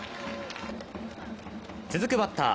続くバッター